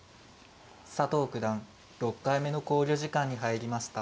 佐藤九段６回目の考慮時間に入りました。